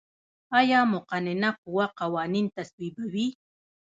آیا مقننه قوه قوانین تصویبوي؟